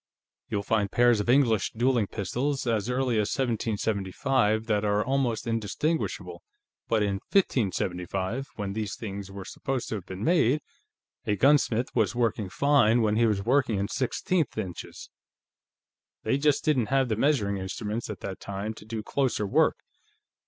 You'll find pairs of English dueling pistols as early as 1775 that are almost indistinguishable, but in 1575, when these things were supposed to have been made, a gunsmith was working fine when he was working in sixteenth inches. They just didn't have the measuring instruments, at that time, to do closer work.